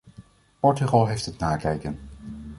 Portugal heeft het nakijken!